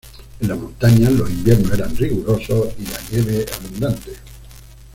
En las montañas los inviernos eran rigurosos y la nieve abundante.